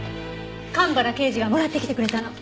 蒲原刑事がもらってきてくれたの。